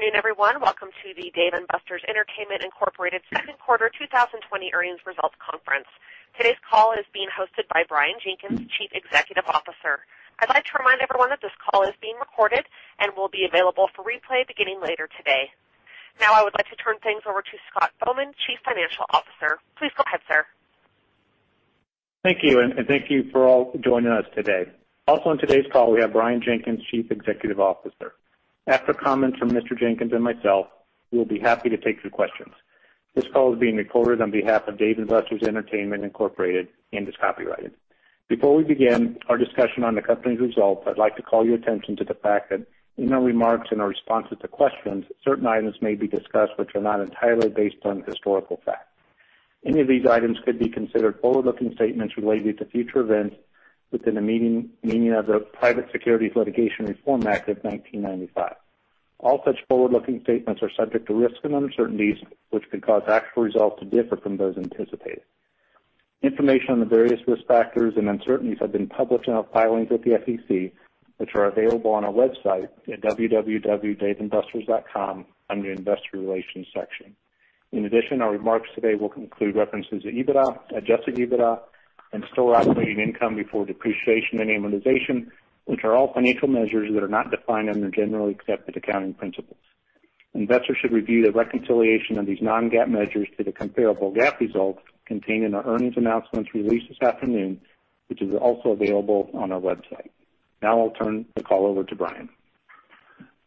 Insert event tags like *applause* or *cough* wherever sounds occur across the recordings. Good afternoon, everyone. Welcome to the Dave & Buster's Entertainment, Inc. second quarter 2020 earnings results conference. Today's call is being hosted by Brian Jenkins, Chief Executive Officer. I'd like to remind everyone that this call is being recorded and will be available for replay beginning later today. Now I would like to turn things over to Scott Bowman, Chief Financial Officer. Please go ahead, sir. Thank you, thank you for all joining us today. On today's call, we have Brian Jenkins, Chief Executive Officer. After comments from Mr. Jenkins and myself, we'll be happy to take your questions. This call is being recorded on behalf of Dave & Buster's Entertainment, Inc. and is copyrighted. Before we begin our discussion on the company's results, I'd like to call your attention to the fact that in our remarks and our responses to questions, certain items may be discussed which are not entirely based on historical fact. Any of these items could be considered forward-looking statements related to future events within the meaning of the Private Securities Litigation Reform Act of 1995. All such forward-looking statements are subject to risks and uncertainties, which could cause actual results to differ from those anticipated. Information on the various risk factors and uncertainties have been published in our filings with the SEC, which are available on our website at www.daveandbusters.com under the investor relations section. Our remarks today will conclude references to EBITDA, adjusted EBITDA, and store operating income before depreciation and amortization, which are all financial measures that are not defined under generally accepted accounting principles. Investors should review the reconciliation of these non-GAAP measures to the comparable GAAP results contained in our earnings announcements released this afternoon, which is also available on our website. I'll turn the call over to Brian.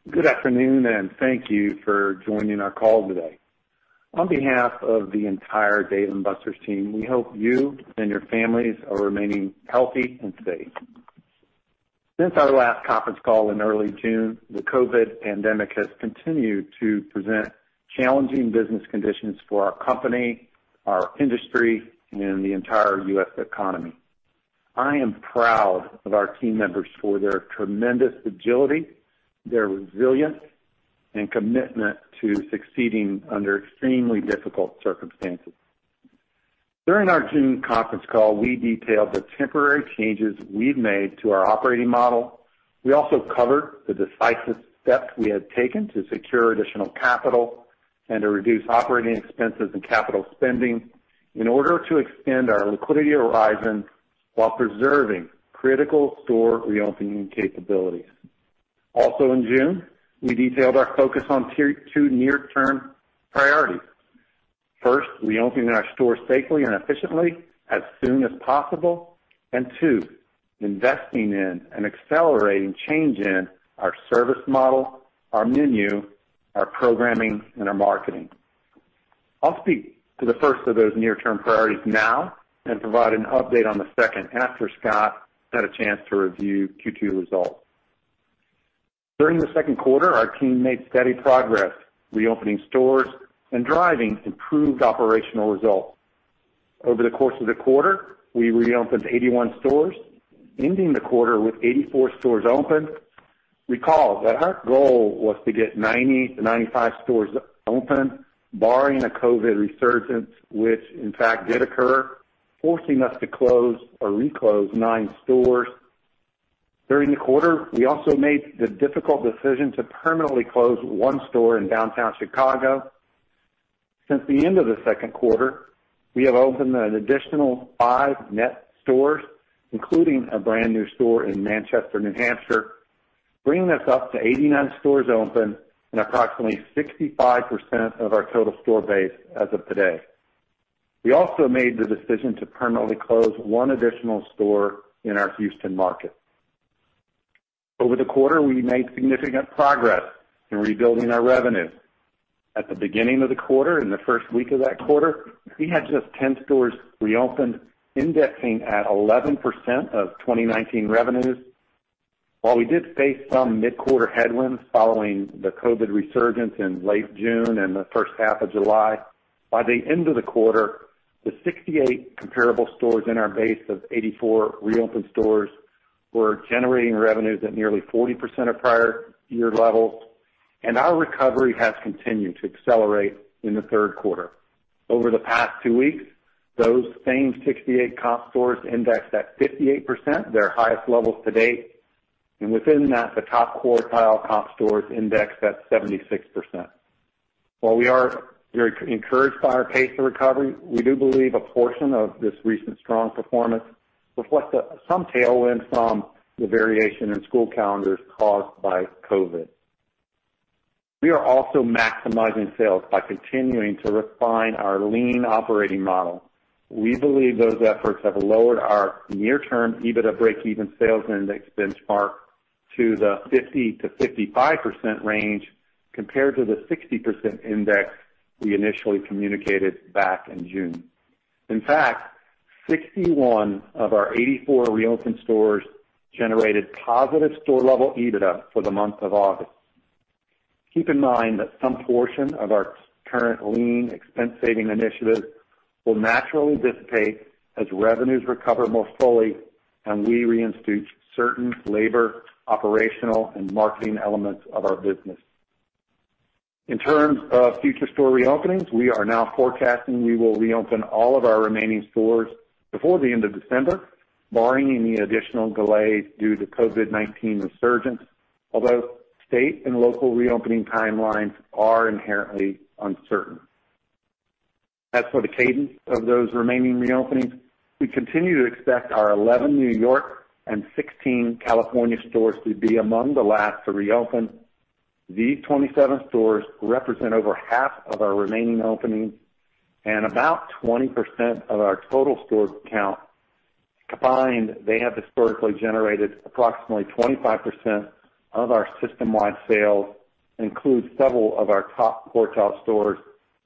Good afternoon, thank you for joining our call today. On behalf of the entire Dave & Buster's team, we hope you and your families are remaining healthy and safe. Since our last conference call in early June, the COVID pandemic has continued to present challenging business conditions for our company, our industry, and the entire U.S. economy. I am proud of our team members for their tremendous agility, their resilience, and commitment to succeeding under extremely difficult circumstances. During our June conference call, we detailed the temporary changes we've made to our operating model. We also covered the decisive steps we had taken to secure additional capital and to reduce operating expenses and capital spending in order to extend our liquidity horizon while preserving critical store reopening capabilities. Also in June, we detailed our focus on two near-term priorities. First, reopening our stores safely and efficiently as soon as possible, and two, investing in and accelerating change in our service model, our menu, our programming, and our marketing. I'll speak to the first of those near-term priorities now and provide an update on the second after Scott has had a chance to review Q2 results. During the second quarter, our team made steady progress reopening stores and driving improved operational results. Over the course of the quarter, we reopened 81 stores, ending the quarter with 84 stores open. Recall that our goal was to get 90 to 95 stores open, barring a COVID resurgence, which in fact did occur, forcing us to close or reclose nine stores. During the quarter, we also made the difficult decision to permanently close one store in downtown Chicago. Since the end of the second quarter, we have opened an additional five net stores, including a brand-new store in Manchester, New Hampshire, bringing us up to 89 stores open and approximately 65% of our total store base as of today. We also made the decision to permanently close one additional store in our Houston market. Over the quarter, we made significant progress in rebuilding our revenue. At the beginning of the quarter, in the first week of that quarter, we had just 10 stores reopened, indexing at 11% of 2019 revenues. While we did face some mid-quarter headwinds following the COVID resurgence in late June and the first half of July, by the end of the quarter, the 68 comparable stores in our base of 84 reopened stores were generating revenues at nearly 40% of prior year levels, and our recovery has continued to accelerate in the third quarter. Over the past two weeks, those same 68 comp stores indexed at 58%, their highest levels to date, and within that, the top quartile comp stores indexed at 76%. While we are encouraged by our pace of recovery, we do believe a portion of this recent strong performance reflects some tailwind from the variation in school calendars caused by COVID. We are also maximizing sales by continuing to refine our lean operating model. We believe those efforts have lowered our near-term EBITDA breakeven sales index benchmark to the 50%-55% range compared to the 60% index we initially communicated back in June. In fact, 61 of our 84 reopened stores generated positive store-level EBITDA for the month of August. Keep in mind that some portion of our current lean expense saving initiatives will naturally dissipate as revenues recover more fully and we reinstitute certain labor, operational, and marketing elements of our business. In terms of future store reopenings, we are now forecasting we will reopen all of our remaining stores before the end of December, barring any additional delays due to COVID-19 resurgence. Although state and local reopening timelines are inherently uncertain. As for the cadence of those remaining reopenings, we continue to expect our 11 New York and 16 California stores to be among the last to reopen. These 27 stores represent over half of our remaining openings and about 20% of our total store count. Combined, they have historically generated approximately 25% of our system-wide sales, includes several of our top quartile stores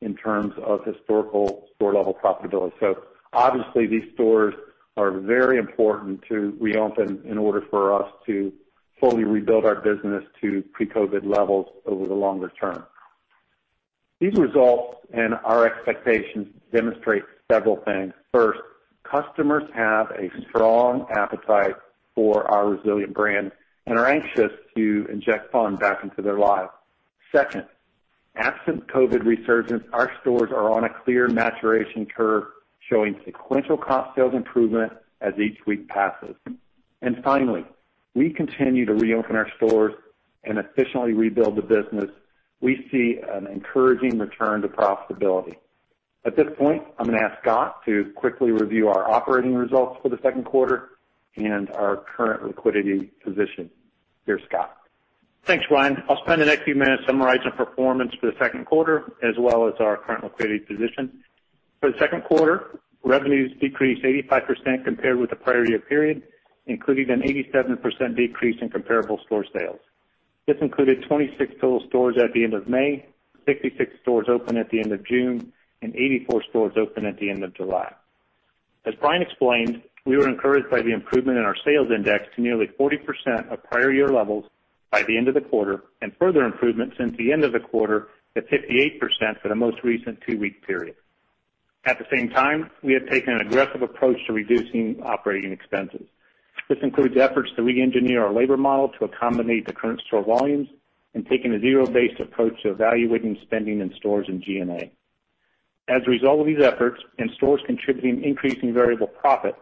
in terms of historical store-level profitability. Obviously these stores are very important to reopen in order for us to fully rebuild our business to pre-COVID levels over the longer term. These results and our expectations demonstrate several things. First, customers have a strong appetite for our resilient brand and are anxious to inject fun back into their lives. Second, absent COVID resurgence, our stores are on a clear maturation curve, showing sequential comp sales improvement as each week passes. Finally, we continue to reopen our stores and efficiently rebuild the business. We see an encouraging return to profitability. At this point, I'm gonna ask Scott to quickly review our operating results for the second quarter and our current liquidity position. Here's Scott. Thanks, Brian. I'll spend the next few minutes summarizing performance for the second quarter as well as our current liquidity position. For the second quarter, revenues decreased 85% compared with the prior year period, including an 87% decrease in comparable store sales. This included 26 total stores at the end of May, 66 stores open at the end of June, and 84 stores open at the end of July. As Brian explained, we were encouraged by the improvement in our sales index to nearly 40% of prior year levels by the end of the quarter and further improvement since the end of the quarter to 58% for the most recent two-week period. At the same time, we have taken an aggressive approach to reducing operating expenses. This includes efforts to re-engineer our labor model to accommodate the current store volumes and taking a zero-based approach to evaluating spending in stores and G&A. As a result of these efforts and stores contributing increasing variable profit,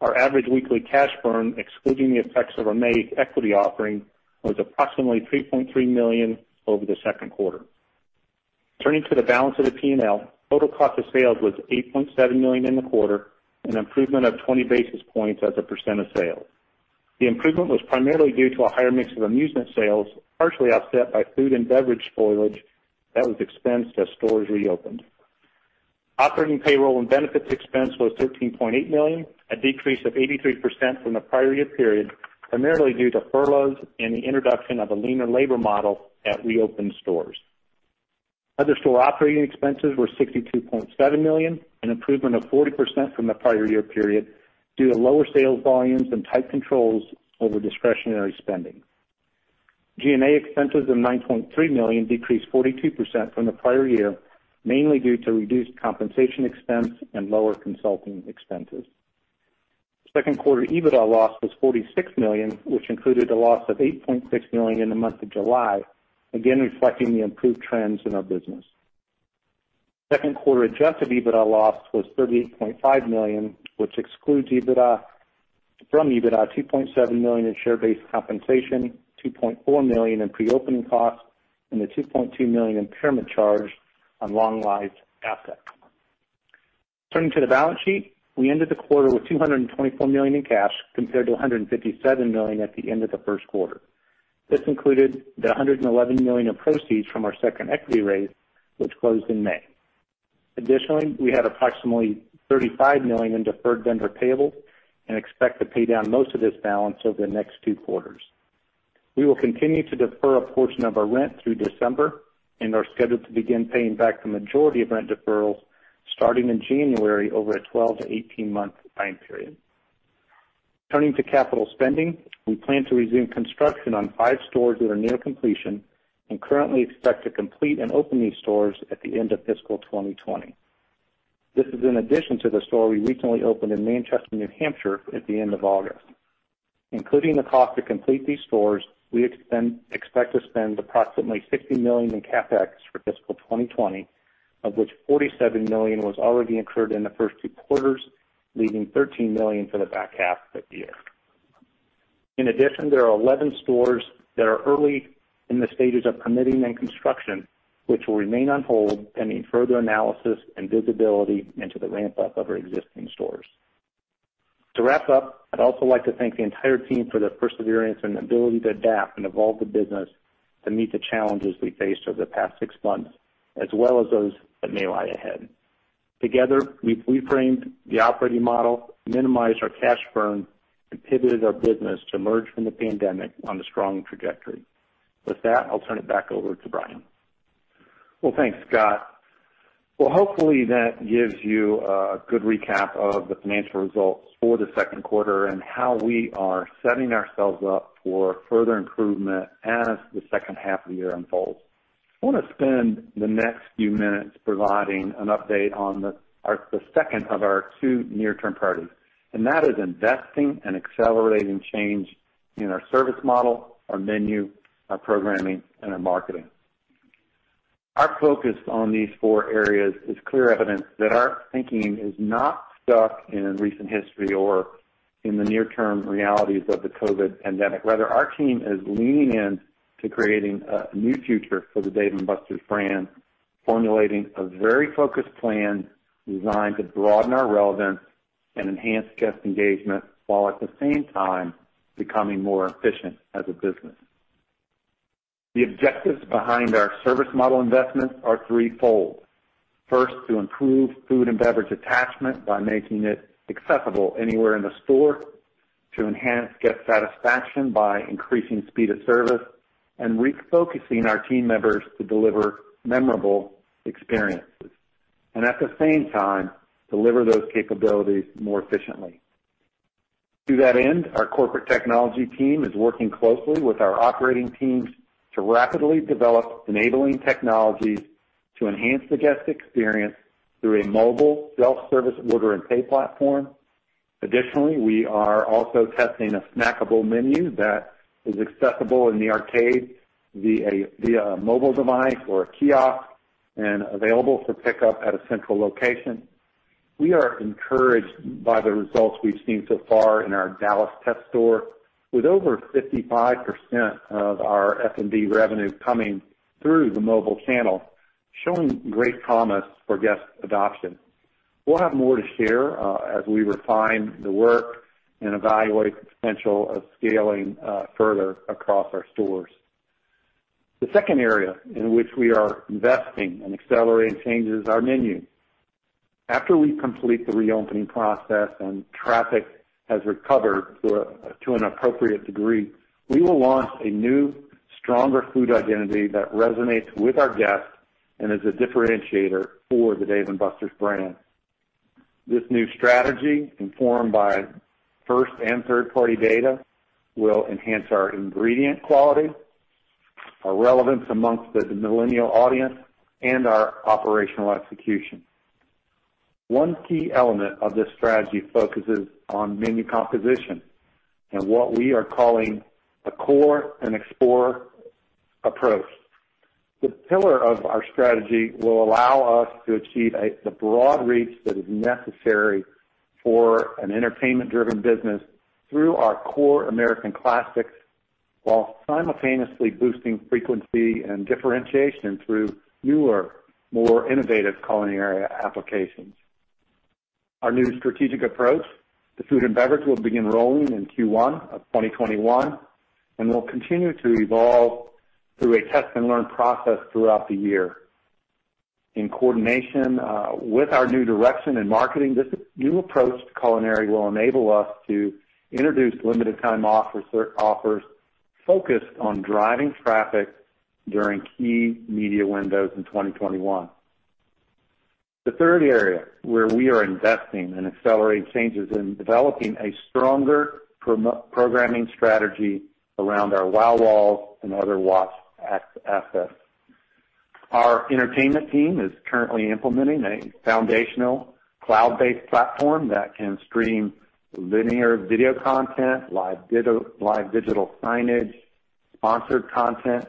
our average weekly cash burn, excluding the effects of our May equity offering, was approximately $3.3 million over the second quarter. Turning to the balance of the P&L, total cost of sales was $8.7 million in the quarter, an improvement of 20 basis points as a percent of sales. The improvement was primarily due to a higher mix of amusement sales, partially offset by food and beverage spoilage that was expensed as stores reopened. Operating payroll and benefits expense was $13.8 million, a decrease of 83% from the prior year period, primarily due to furloughs and the introduction of a leaner labor model at reopened stores. Other store operating expenses were $62.7 million, an improvement of 40% from the prior year period due to lower sales volumes and tight controls over discretionary spending. G&A expenses of $9.3 million decreased 42% from the prior year, mainly due to reduced compensation expense and lower consulting expenses. Second quarter EBITDA loss was $46 million, which included a loss of $8.6 million in the month of July, again reflecting the improved trends in our business. Second quarter adjusted EBITDA loss was $38.5 million, which excludes from EBITDA, $2.7 million in share-based compensation, $2.4 million in pre-opening costs, and a $2.2 million impairment charge on long-lived assets. Turning to the balance sheet, we ended the quarter with $224 million in cash compared to $157 million at the end of the first quarter. This included the $111 million of proceeds from our second equity raise, which closed in May. We had approximately $35 million in deferred vendor payables and expect to pay down most of this balance over the next two quarters. We will continue to defer a portion of our rent through December and are scheduled to begin paying back the majority of rent deferrals starting in January over a 12-18 month time period. Turning to capital spending, we plan to resume construction on five stores that are near completion and currently expect to complete and open these stores at the end of fiscal 2020. This is in addition to the store we recently opened in Manchester, New Hampshire at the end of August. Including the cost to complete these stores, we expect to spend approximately $60 million in CapEx for fiscal 2020, of which $47 million was already incurred in the first two quarters, leaving $13 million for the back half of the year. In addition, there are 11 stores that are early in the stages of permitting and construction, which will remain on hold pending further analysis and visibility into the ramp-up of our existing stores. To wrap up, I'd also like to thank the entire team for their perseverance and ability to adapt and evolve the business to meet the challenges we faced over the past six months, as well as those that may lie ahead. Together, we've reframed the operating model, minimized our cash burn, and pivoted our business to emerge from the pandemic on a strong trajectory. With that, I'll turn it back over to Brian. Well, thanks, Scott. Well, hopefully, that gives you a good recap of the financial results for the second quarter and how we are setting ourselves up for further improvement as the second half of the year unfolds. I wanna spend the next few minutes providing an update on the second of our two near-term priorities, and that is investing and accelerating change in our service model, our menu, our programming, and our marketing. Our focus on these four areas is clear evidence that our thinking is not stuck in recent history or in the near-term realities of the COVID pandemic. Rather, our team is leaning in to creating a new future for the Dave & Buster's brand, formulating a very focused plan designed to broaden our relevance and enhance guest engagement while at the same time becoming more efficient as a business. The objectives behind our service model investments are threefold. First, to improve food and beverage attachment by making it accessible anywhere in the store, to enhance guest satisfaction by increasing speed of service, and refocusing our team members to deliver memorable experiences. At the same time, deliver those capabilities more efficiently. To that end, our corporate technology team is working closely with our operating teams to rapidly develop enabling technologies to enhance the guest experience through a mobile self-service order and pay platform. Additionally, we are also testing a snackable menu that is accessible in the arcade via a mobile device or a kiosk and available for pickup at a central location. We are encouraged by the results we've seen so far in our Dallas test store. With over 55% of our F&B revenue coming through the mobile channel, showing great promise for guest adoption. We'll have more to share as we refine the work and evaluate the potential of scaling further across our stores. The second area in which we are investing and accelerating change is our menu. After we complete the reopening process and traffic has recovered to an appropriate degree, we will launch a new, stronger food identity that resonates with our guests and is a differentiator for the Dave & Buster's brand. This new strategy, informed by first and third-party data, will enhance our ingredient quality, our relevance amongst the millennial audience, and our operational execution. One key element of this strategy focuses on menu composition and what we are calling a Core and Explore approach. The pillar of our strategy will allow us to achieve the broad reach that is necessary for an entertainment-driven business through our core American classics, while simultaneously boosting frequency and differentiation through newer, more innovative culinary applications. Our new strategic approach to food and beverage will begin rolling in Q1 of 2021 and will continue to evolve through a test-and-learn process throughout the year. In coordination with our new direction in marketing, this new approach to culinary will enable us to introduce limited time offers focused on driving traffic during key media windows in 2021. The third area where we are investing and accelerating change is in developing a stronger programming strategy around our WOW Walls and other watch assets. Our entertainment team is currently implementing a foundational cloud-based platform that can stream linear video content, live digital signage, sponsored content,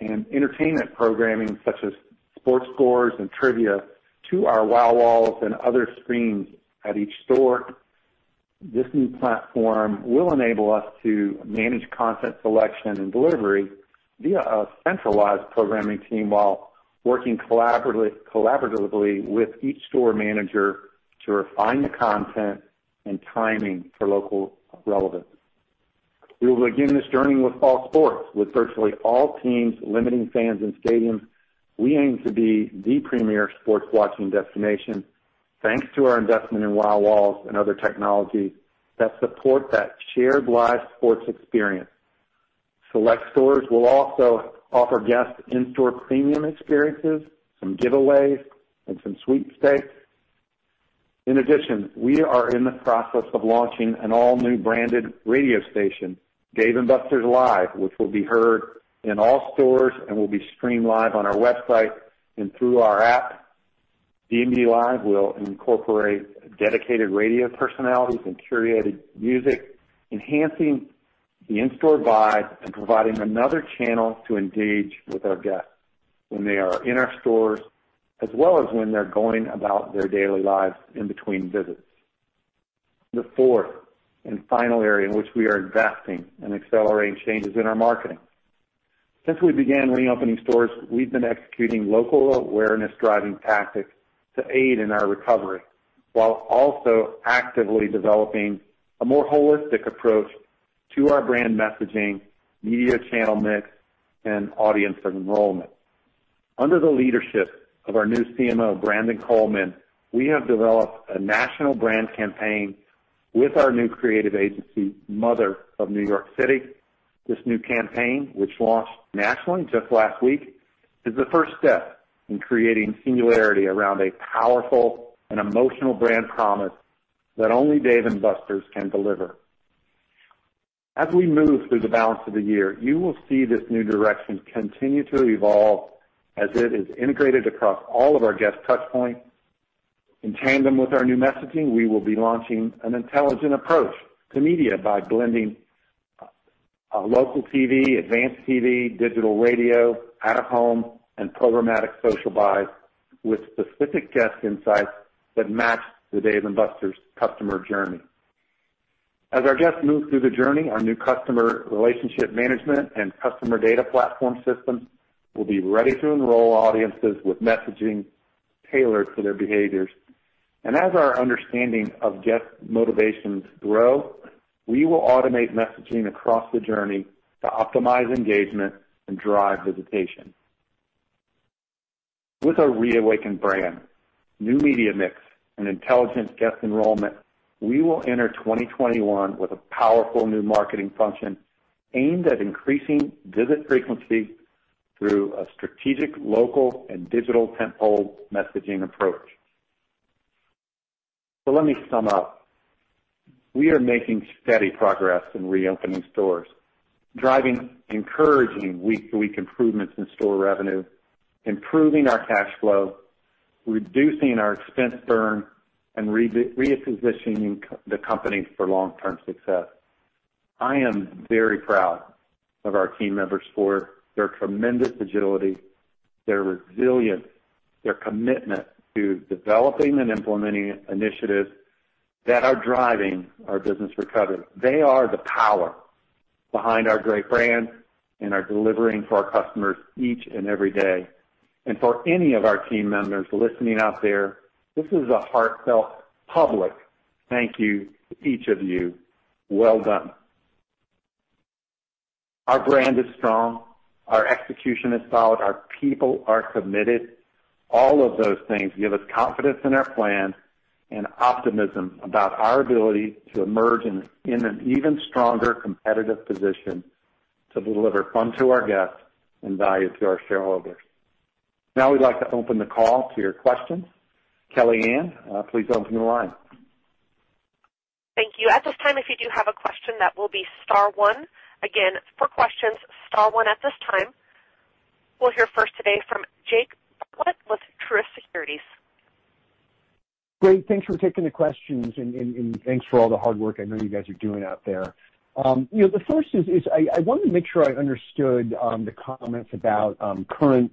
and entertainment programming, such as sports scores and trivia, to our WOW Walls and other screens at each store. This new platform will enable us to manage content selection and delivery via a centralized programming team while working collaboratively with each store manager to refine the content and timing for local relevance. We will begin this journey with fall sports. With virtually all teams limiting fans in stadiums, we aim to be the premier sports watching destination, thanks to our investment in WOW Walls and other technology that support that shared live sports experience. Select stores will also offer guests in-store premium experiences, some giveaways, and some sweepstakes. We are in the process of launching an all-new branded radio station, Dave & Buster's Live, which will be heard in all stores and will be streamed live on our website and through our app. D&B Live will incorporate dedicated radio personalities and curated music, enhancing the in-store vibe and providing another channel to engage with our guests when they are in our stores, as well as when they're going about their daily lives in between visits. The fourth and final area in which we are investing and accelerating change is in our marketing. Since we began reopening stores, we've been executing local awareness-driving tactics to aid in our recovery while also actively developing a more holistic approach to our brand messaging, media channel mix, and audience enrollment. Under the leadership of our new CMO, Brandon Coleman, we have developed a national brand campaign with our new creative agency, Mother from New York. This new campaign, which launched nationally just last week, is the first step in creating singularity around a powerful and emotional brand promise that only Dave & Buster's can deliver. As we move through the balance of the year, you will see this new direction continue to evolve as it is integrated across all of our guest touch points. In tandem with our new messaging, we will be launching an intelligent approach to media by blending local TV, advanced TV, digital radio, out of home, and programmatic social buys with specific guest insights that match the Dave & Buster's customer journey. As our guests move through the journey, our new customer relationship management and customer data platform systems will be ready to enroll audiences with messaging tailored to their behaviors. As our understanding of guest motivations grow, we will automate messaging across the journey to optimize engagement and drive visitation. With our reawakened brand, new media mix, and intelligent guest enrollment, we will enter 2021 with a powerful new marketing function aimed at increasing visit frequency through a strategic, local, and digital tent pole messaging approach. Let me sum up. We are making steady progress in reopening stores, driving encouraging week-to-week improvements in store revenue, improving our cash flow, reducing our expense burn, and repositioning the company for long-term success. I am very proud of our team members for their tremendous agility, their resilience, their commitment to developing and implementing initiatives that are driving our business recovery. They are the power behind our great brand and are delivering for our customers each and every day. For any of our team members listening out there, this is a heartfelt public thank you to each of you. Well done. Our brand is strong, our execution is solid, our people are committed. All of those things give us confidence in our plan and optimism about our ability to emerge in an even stronger competitive position to deliver fun to our guests and value to our shareholders. Now we'd like to open the call to your questions. Kelly Ann, please open the line. Thank you. At this time, if you do have a question, that will be star one. Again, for questions, star one at this time. We'll hear first today from Jake Bartlett with Truist Securities. Great. Thanks for taking the questions and thanks for all the hard work I know you guys are doing out there. The first is I wanted to make sure I understood the comments about current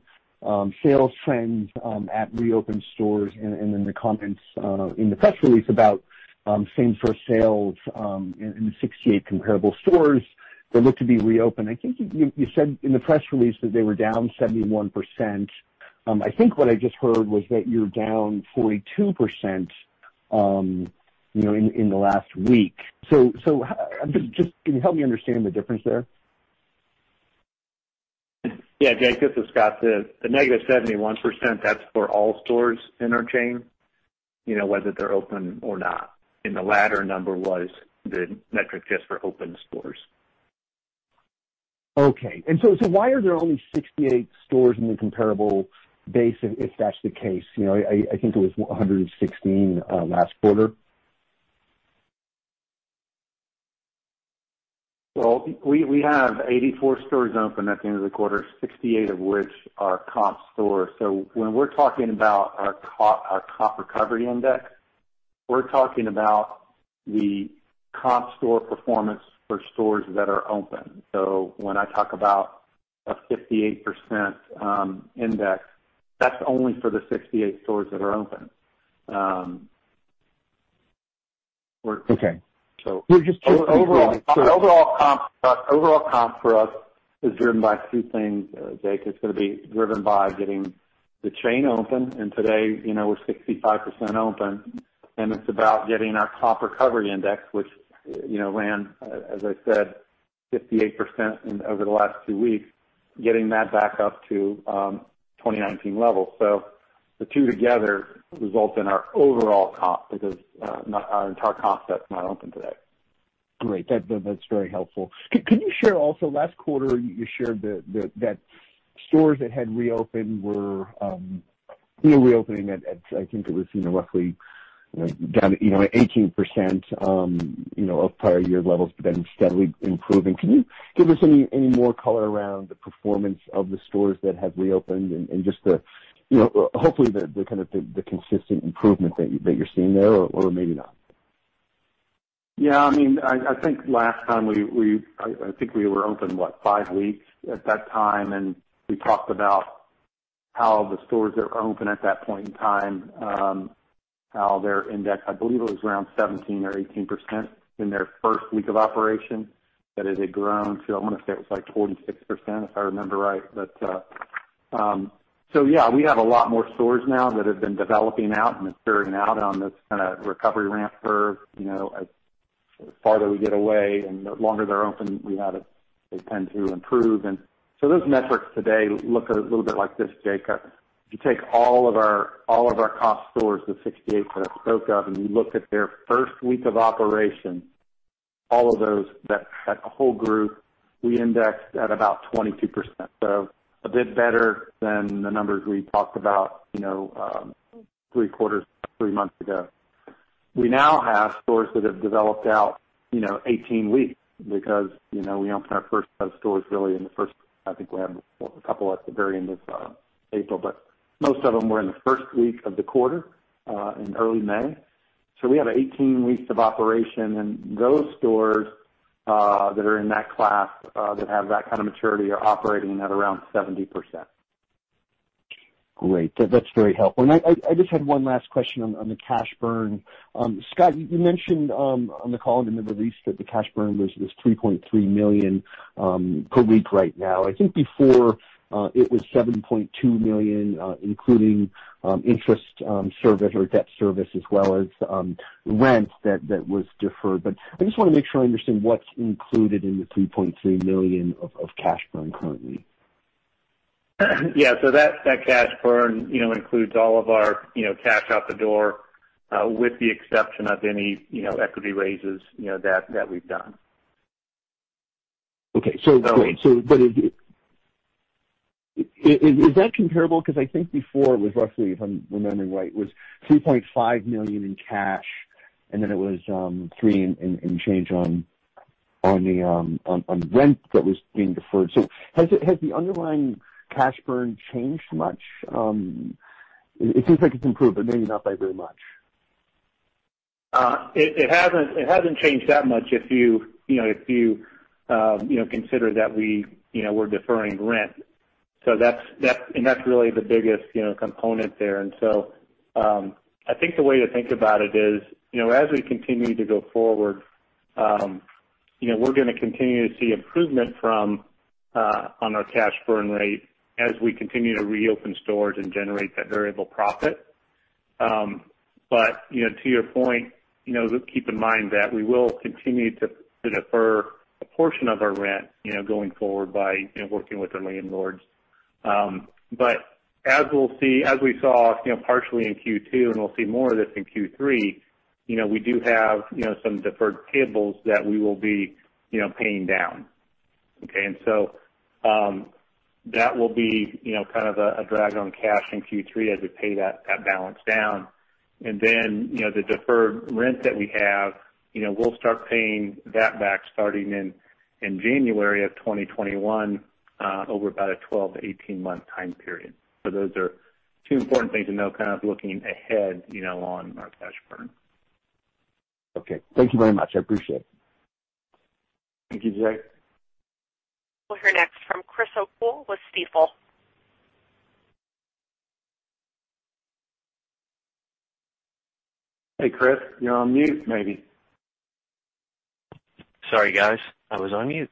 sales trends at reopened stores and then the comments in the press release about same store sales in the 68 comparable stores that look to be reopened. I think you said in the press release that they were down 71%. I think what I just heard was that you're down 42% in the last week. Just can you help me understand the difference there? Yeah, Jake, this is Scott. The negative 71%, that's for all stores in our chain, whether they're open or not. The latter number was the metric just for open stores. Okay. Why are there only 68 stores in the comparable base if that's the case? I think it was 116 last quarter. Well, we have 84 stores open at the end of the quarter, 68 of which are comp stores. When we're talking about our comp recovery index, we're talking about the comp store performance for stores that are open. When I talk about a 58% index, that's only for the 68 stores that are open. Okay. Overall comp for us is driven by two things, Jake. It's going to be driven by getting the chain open, and today, we're 65% open, and it's about getting our comp recovery index, which ran, as I said, 58% over the last two weeks, getting that back up to 2019 levels. The two together result in our overall comp because our entire comp set is not open today. Great. That's very helpful. Could you share also, last quarter, you shared that stores that had reopened were reopening at, I think it was roughly down 18% of prior year levels, but then steadily improving. Can you give us any more color around the performance of the stores that have reopened and just hopefully the consistent improvement that you're seeing there, or maybe not? I think last time we were open, what, five weeks at that time, and we talked about how the stores that were open at that point in time, how their index, I believe it was around 17% or 18% in their first week of operation. It had grown to, I want to say it was like 46%, if I remember right. We have a lot more stores now that have been developing out and maturing out on this kind of recovery ramp curve, as farther we get away and the longer they're open, they tend to improve. Those metrics today look a little bit like this, Jake. If you take all of our comp stores, the 68 that I spoke of, and you look at their first week of operation, all of those, that whole group, we indexed at about 22%. A bit better than the numbers we talked about three quarters, three months ago. We now have stores that have developed out 18 weeks because we opened our first set of stores really in the first, I think we have a couple at the very end of April, but most of them were in the first week of the quarter, in early May. We have 18 weeks of operation, and those stores that are in that class, that have that kind of maturity, are operating at around 70%. Great. That's very helpful. I just had one last question on the cash burn. Scott, you mentioned on the call and in the release that the cash burn was $3.3 million per week right now. I think before, it was $7.2 million, including interest service or debt service, as well as rent that was deferred. I just want to make sure I understand what's included in the $3.3 million of cash burn currently. Yeah. That cash burn includes all of our cash out the door with the exception of any equity raises that we've done. Okay, great. Is that comparable? I think before it was roughly, if I'm remembering right, was $3.5 million in cash and then it was three and change on the rent that was being deferred. Has the underlying cash burn changed much? It seems like it's improved, but maybe not by very much. It hasn't changed that much if you consider that we're deferring rent. That's really the biggest component there. I think the way to think about it is as we continue to go forward, we're going to continue to see improvement on our cash burn rate as we continue to reopen stores and generate that variable profit. To your point, keep in mind that we will continue to defer a portion of our rent going forward by working with our landlords. As we saw partially in Q2 and we'll see more of this in Q3, we do have some deferred payables that we will be paying down. That will be kind of a drag on cash in Q3 as we pay that balance down. The deferred rent that we have, we'll start paying that back starting in January of 2021 over about a 12-18 month time period. Those are two important things to know kind of looking ahead on our cash burn. Okay. Thank you very much. I appreciate it. Thank you, Jake. We'll hear next from Chris O'Cull with Stifel. Hey, Chris. You're on mute, maybe. Sorry, guys. I was on mute.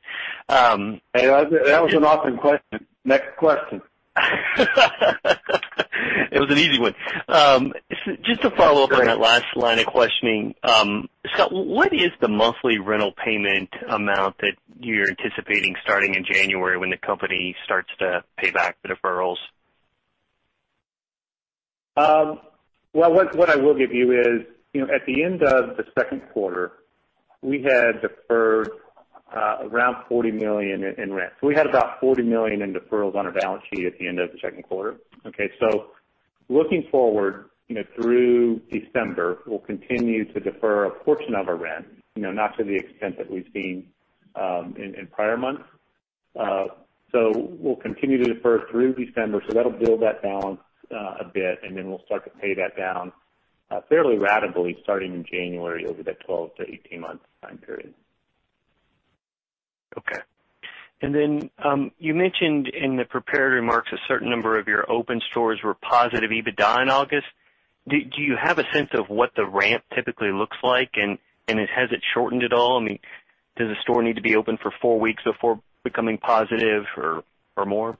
Hey, that was an awesome question. Next question. It was an easy one. Just to follow up on that last line of questioning. Scott, what is the monthly rental payment amount that you're anticipating starting in January when the company starts to pay back the deferrals? Well, what I will give you is at the end of the second quarter, we had deferred around $40 million in rent. We had about $40 million in deferrals on our balance sheet at the end of the second quarter. Okay, looking forward through December, we'll continue to defer a portion of our rent, not to the extent that we've seen in prior months. We'll continue to defer through December, so that'll build that balance a bit, and then we'll start to pay that down fairly ratably starting in January over the 12-18 month time period. Okay. Then, you mentioned in the prepared remarks a certain number of your open stores were positive EBITDA in August. Do you have a sense of what the ramp typically looks like, and has it shortened at all? I mean, does the store need to be open for four weeks before becoming positive or more?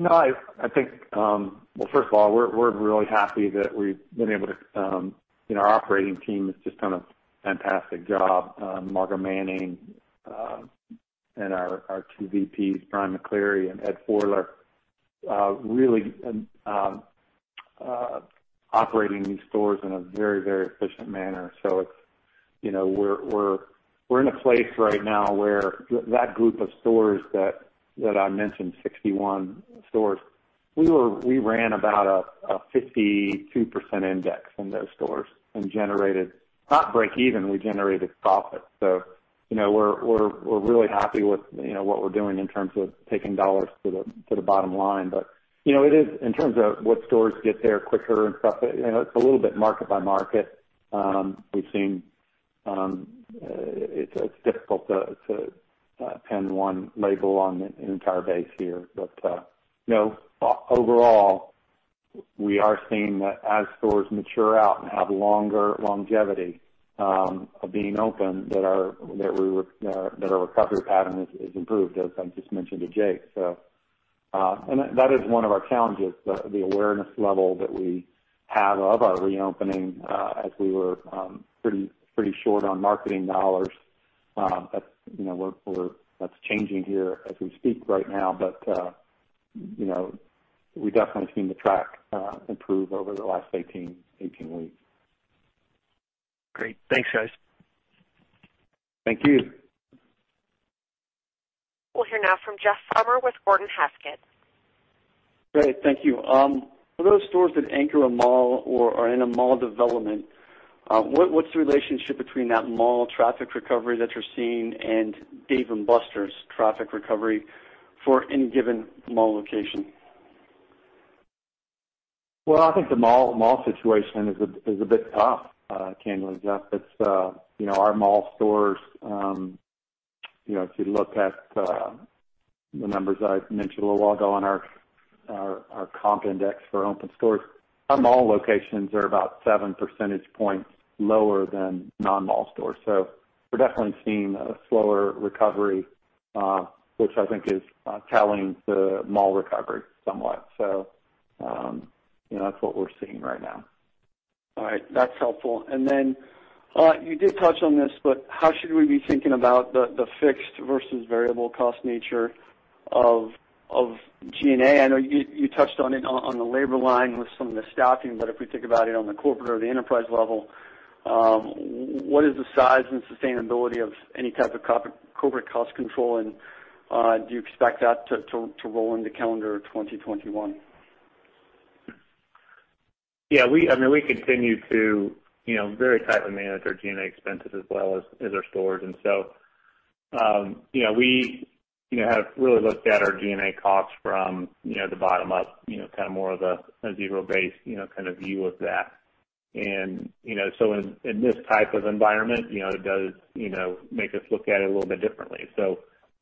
First of all, we're really happy that our operating team has just done a fantastic job. Margo Manning, and our two VPs, Brian McCleary and Ed Forler, really operating these stores in a very efficient manner. We're in a place right now where that group of stores that I mentioned, 61 stores, we ran about a 52% index in those stores and generated, not break even, we generated profit. In terms of what stores get there quicker and stuff, it's a little bit market by market. It's difficult to pin one label on an entire base here. Overall, we are seeing that as stores mature out and have longer longevity of being open, that our recovery pattern is improved, as I just mentioned to Jake. That is one of our challenges, the awareness level that we have of our reopening as we were pretty short on marketing dollars. That's changing here as we speak right now. We've definitely seen the track improve over the last 18 weeks. Great. Thanks, guys. Thank you. We'll hear now from Jeff Farmer with Gordon Haskett. Great. Thank you. For those stores that anchor a mall or are in a mall development, what's the relationship between that mall traffic recovery that you're seeing and Dave & Buster's traffic recovery for any given mall location? I think the mall situation is a bit tough, candidly, Jeff. Our mall stores, if you look at the numbers I mentioned a little while ago on our comp index for open stores, our mall locations are about seven percentage points lower than non-mall stores. We're definitely seeing a slower recovery, which I think is tailing the mall recovery somewhat. That's what we're seeing right now. All right. That's helpful. Then you did touch on this, but how should we be thinking about the fixed versus variable cost nature of G&A? I know you touched on it on the labor line with some of the staffing, but if we think about it on the corporate or the enterprise level, what is the size and sustainability of any type of corporate cost control? Do you expect that to roll into calendar 2021? Yeah. We continue to very tightly manage our G&A expenses as well as our stores. We have really looked at our G&A costs from the bottom up, more of a zero-base kind of view of that. In this type of environment, it does make us look at it a little bit differently.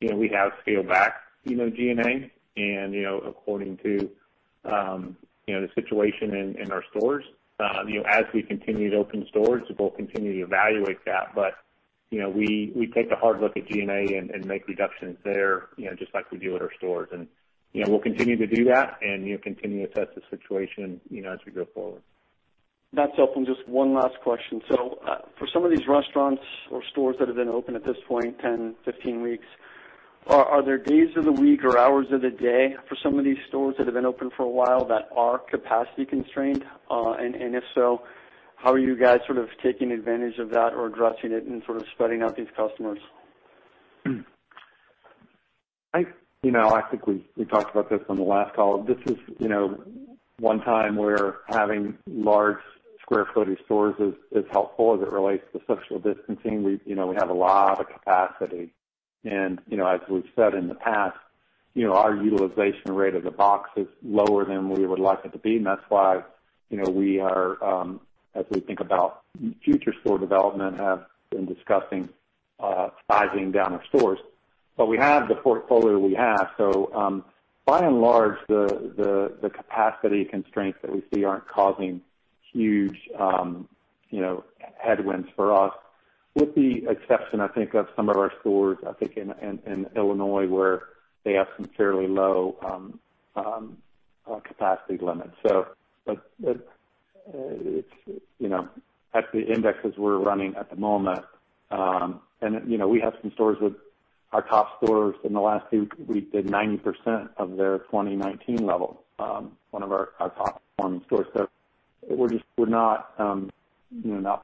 We have scaled back G&A and according to the situation in our stores. As we continue to open stores, we'll continue to evaluate that. We take a hard look at G&A and make reductions there, just like we do at our stores. We'll continue to do that and continue to assess the situation as we go forward. That's helpful. Just one last question. For some of these restaurants or stores that have been open at this point 10, 15 weeks, are there days of the week or hours of the day for some of these stores that have been open for a while that are capacity constrained? If so, how are you guys sort of taking advantage of that or addressing it and sort of spreading out these customers? I think we talked about this on the last call. This is one time where having large square footage stores is helpful as it relates to social distancing. We have a lot of capacity. As we've said in the past, our utilization rate of the box is lower than we would like it to be, and that's why, as we think about future store development, have been discussing sizing down our stores. We have the portfolio we have, so, by and large, the capacity constraints that we see aren't causing huge headwinds for us, with the exception, I think, of some of our stores, I think in Illinois, where they have some fairly low capacity limits. At the indexes we're running at the moment, we have some stores with our top stores in the last few weeks did 90% of their 2019 level, one of our top performing stores. We're not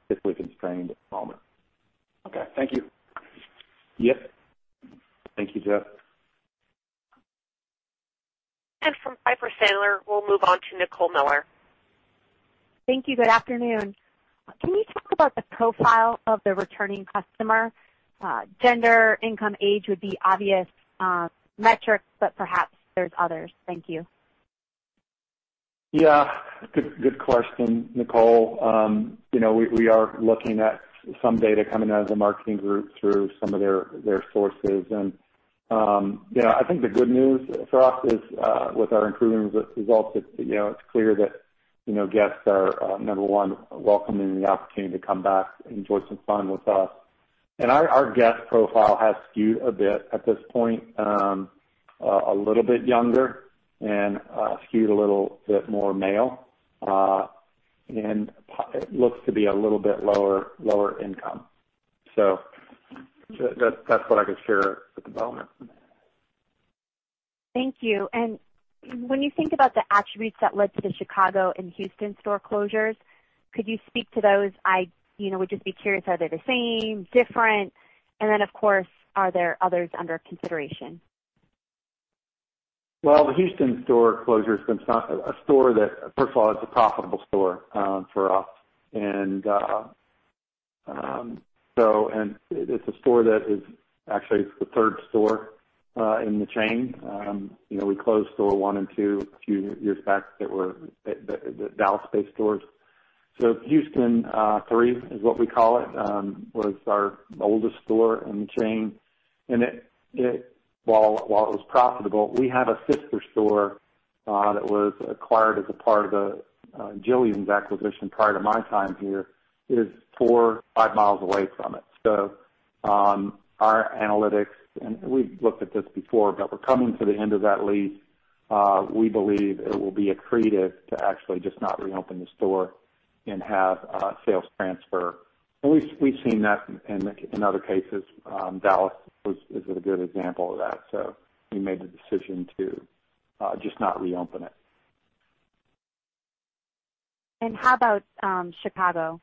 physically constrained at the moment. Okay. Thank you. Yep. Thank you, Jeff. From Piper Sandler, we'll move on to Nicole Miller. Thank you. Good afternoon. Can you talk about the profile of the returning customer? Gender, income, age would be obvious metrics, but perhaps there's others. Thank you. Good question, Nicole. We are looking at some data coming out of the marketing group through some of their sources, and I think the good news for us is with our improving results, it's clear that guests are, number one, welcoming the opportunity to come back and enjoy some fun with us. Our guest profile has skewed a bit at this point, a little bit younger and skewed a little bit more male, and it looks to be a little bit lower income. That's what I could share at the moment. Thank you. When you think about the attributes that led to the Chicago and Houston store closures, could you speak to those? I would just be curious, are they the same, different? Then, of course, are there others under consideration? Well, the Houston store closure is a store that, first of all, it's a profitable store for us. It's a store that is actually the third store in the chain. We closed store one and two a few years back that were the Dallas-based stores. Houston three is what we call it, was our oldest store in the chain. While it was profitable, we have a sister store that was acquired as a part of Jillian's acquisition prior to my time here, is 4 mi or 5 mi away from it. Our analytics, and we've looked at this before, but we're coming to the end of that lease. We believe it will be accretive to actually just not reopen the store and have sales transfer. We've seen that in other cases. Dallas is a good example of that. We made the decision to just not reopen it. How about Chicago?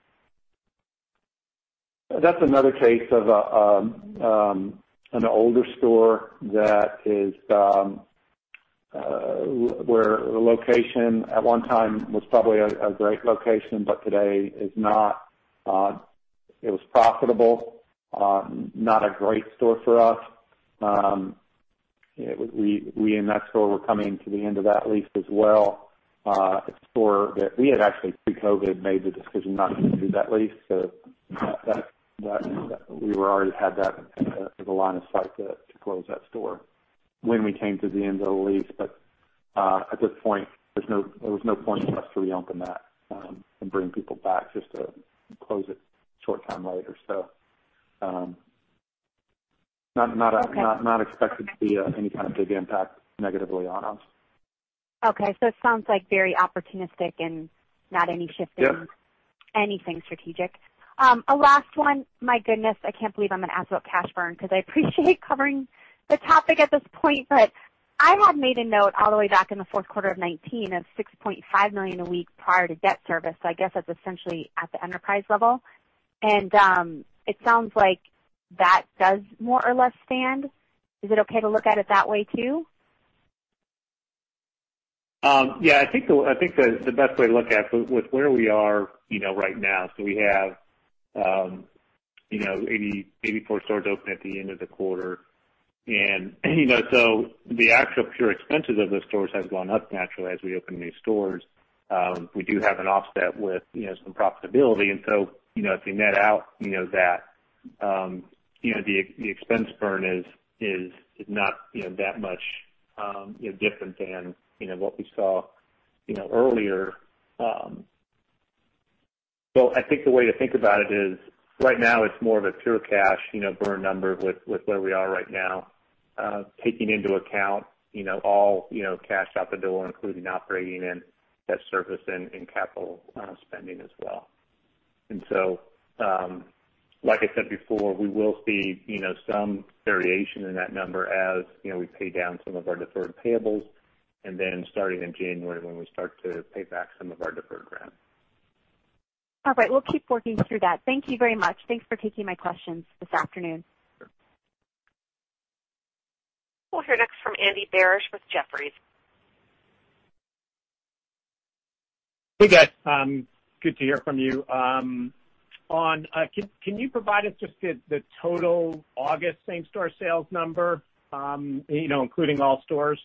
That's another case of an older store where the location at one time was probably a great location, but today is not. It was profitable, not a great store for us. We, in that store, were coming to the end of that lease as well. A store that we had actually, pre-COVID, made the decision not to renew that lease. We already had the line of sight to close that store when we came to the end of the lease. At this point, there was no point for us to reopen that and bring people back just to close it a short time later. Not expected to be any kind of big impact negatively on us. Okay. It sounds like very opportunistic and not any shifting. Yeah anything strategic. A last one. My goodness, I can't believe I'm going to ask about cash burn, because I appreciate covering the topic at this point, but I had made a note all the way back in the fourth quarter of 2019 of $6.5 million a week prior to debt service. I guess that's essentially at the enterprise level. It sounds like that does more or less stand. Is it okay to look at it that way, too? Yeah, I think the best way to look at with where we are right now. We have 84 stores open at the end of the quarter. The actual pure expenses of those stores has gone up naturally as we open new stores. We do have an offset with some profitability, if you net out that, the expense burn is not that much different than what we saw earlier. I think the way to think about it is right now it's more of a pure cash burn number with where we are right now, taking into account all cash out the door, including operating and debt service and capital spending as well. Like I said before, we will see some variation in that number as we pay down some of our deferred payables, and then starting in January when we start to pay back some of our deferred grant. All right. We'll keep working through that. Thank you very much. Thanks for taking my questions this afternoon. We'll hear next from Andy Barish with Jefferies. Hey, guys. Good to hear from you. Can you provide us just the total August same store sales number including all stores?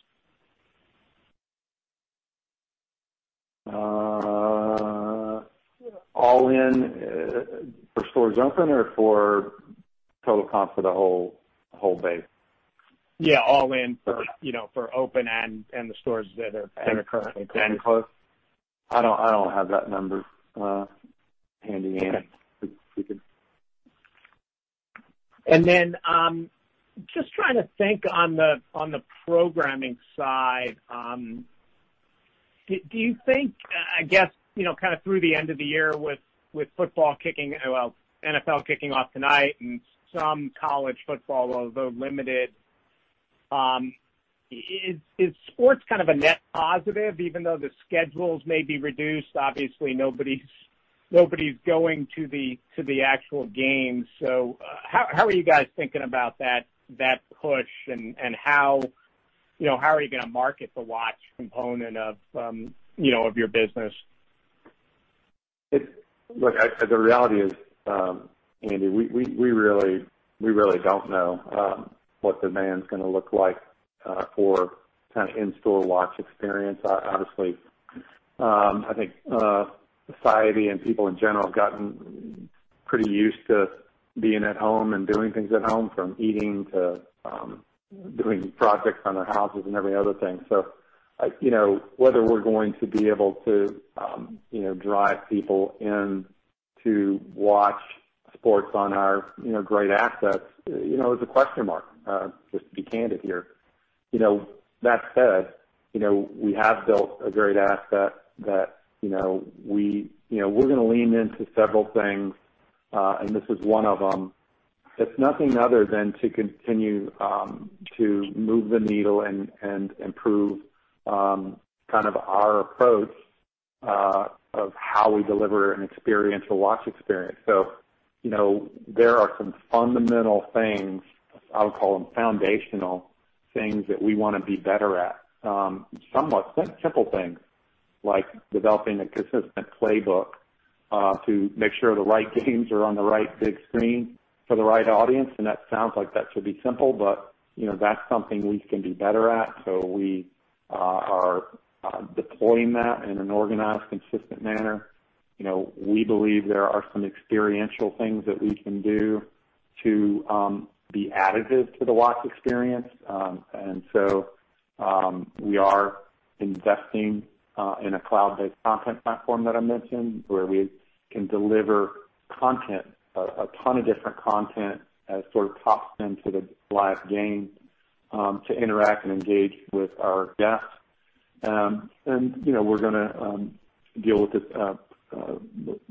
All in for stores open or for total comp for the whole base? Yeah, all in for open and the stores that are currently closed. Closed. I don't have that number handy, Andy. Okay. Just trying to think on the programming side, do you think, I guess, kind of through the end of the year with NFL kicking off tonight and some college football, although limited, is sports kind of a net positive even though the schedules may be reduced? Obviously, nobody's going to the actual game. How are you guys thinking about that push and how are you going to market the watch component of your business? The reality is, Andy, we really don't know what demand's going to look like for in-store watch experience. Obviously, I think society and people in general have gotten pretty used to being at home and doing things at home, from eating to doing projects on their houses and every other thing. Whether we're going to be able to drive people in to watch sports on our great assets is a question mark, just to be candid here. That said, we have built a great asset that we're going to lean into several things, and this is one of them. It's nothing other than to continue to move the needle and improve our approach of how we deliver an experiential watch experience. There are some fundamental things, I would call them foundational things, that we want to be better at. Some are simple things like developing a consistent playbook to make sure the right games are on the right big screen for the right audience. That sounds like that should be simple, but that's something we can be better at. We are deploying that in an organized, consistent manner. We believe there are some experiential things that we can do to be additive to the watch experience. We are investing in a cloud-based content platform that I mentioned, where we can deliver a ton of different content as sort of toss into the live game to interact and engage with our guests. We're going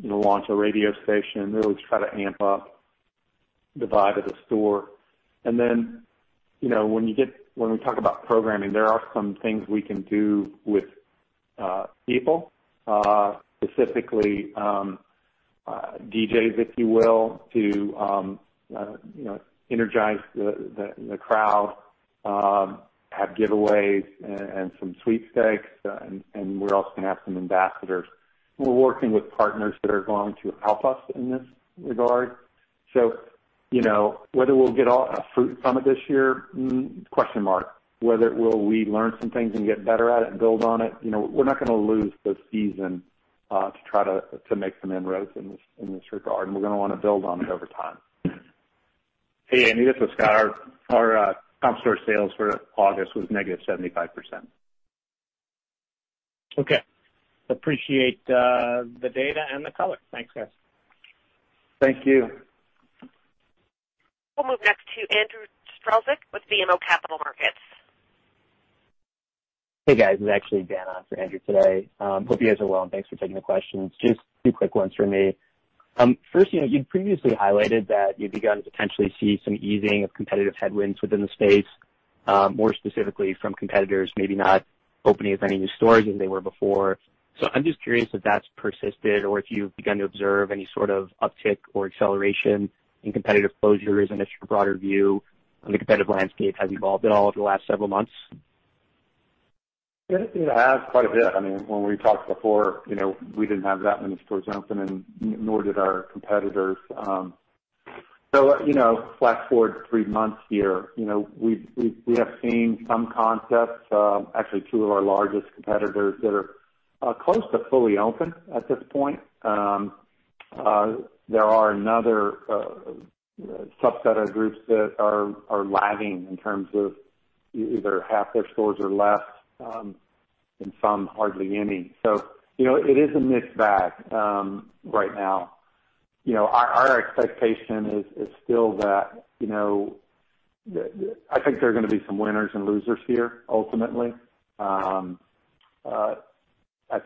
to launch a radio station, really try to amp up the vibe of the store. When we talk about programming, there are some things we can do with people, specifically, DJs, if you will, to energize the crowd, have giveaways and some sweepstakes, and we're also going to have some ambassadors. We're working with partners that are going to help us in this regard. Whether we'll get a fruit from it this year, question mark? Whether we learn some things and get better at it and build on it. We're not going to lose the season to try to make some inroads in this regard, and we're going to want to build on it over time. Hey, Andy, this is Scott. Our comp store sales for August was -75%. Okay. Appreciate the data and the color. Thanks, guys. Thank you. We'll move next to Andrew Strelzik with BMO Capital Markets. Hey, guys. This is actually Dan on for Andrew today. Hope you guys are well, and thanks for taking the questions. Just two quick ones from me. First, you'd previously highlighted that you've begun to potentially see some easing of competitive headwinds within the space. More specifically, from competitors maybe not opening as many new stores as they were before. I'm just curious if that's persisted or if you've begun to observe any sort of uptick or acceleration in competitive closures and if your broader view on the competitive landscape has evolved at all over the last several months. It has quite a bit. When we talked before, we didn't have that many stores open, and nor did our competitors. Fast-forward three months here. We have seen some concepts, actually two of our largest competitors that are close to fully open at this point. There are another subset of groups that are lagging in terms of either half their stores or less, and some hardly any. It is a mixed bag right now. Our expectation is still that I think there are going to be some winners and losers here ultimately. I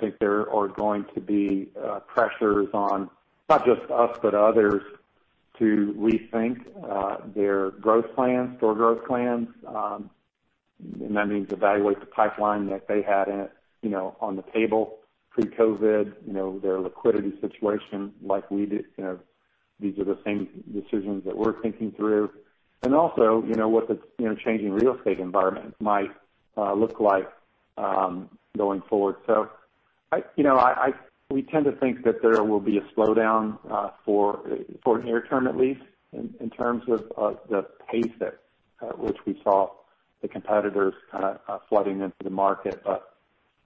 think there are going to be pressures on not just us, but others to rethink their growth plans, store growth plans. That means evaluate the pipeline that they had on the table pre-COVID, their liquidity situation like we did. These are the same decisions that we're thinking through. What the changing real estate environment might look like going forward. We tend to think that there will be a slowdown for the near term, at least, in terms of the pace at which we saw the competitors flooding into the market.